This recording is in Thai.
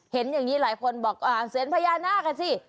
เห็นอย่างนี้หลายคนบอกสเตฮพญานาคสิ